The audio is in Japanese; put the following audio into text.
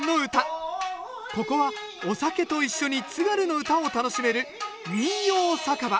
ここはお酒と一緒に津軽の唄を楽しめる民謡酒場。